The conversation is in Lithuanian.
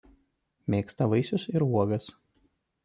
Mėgsta vaisius ir uogas.